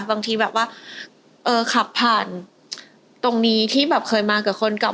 บางทีแบบว่าเออขับผ่านตรงนี้ที่แบบเคยมากับคนเก่า